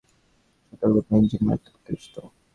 সতর্কতা, ইঞ্জিন মারাত্মক ক্ষতিগ্রস্থ।